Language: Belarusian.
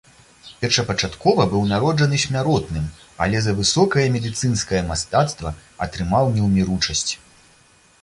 Першапачаткова быў народжаны смяротным, але за высокае медыцынскае мастацтва атрымаў неўміручасць.